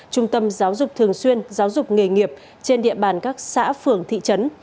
trung tâm giáo dục thường xuyên giáo dục nghề nghiệp trên địa bàn các xã phường thị trấn